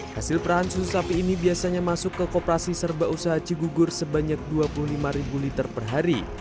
hasil perahan susu sapi ini biasanya masuk ke kooperasi serba usaha cigugur sebanyak dua puluh lima ribu liter per hari